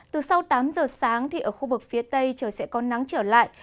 từ sau tám giờ sáng thì ở khu vực phía tây trời sẽ có nắng trở lại